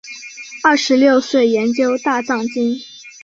二十六岁研究大藏经。